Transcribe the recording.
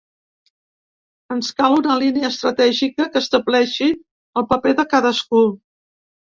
Ens cal una línia estratègica que estableixi el paper de cadascú.